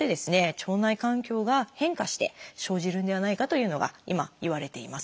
腸内環境が変化して生じるんではないかというのが今いわれています。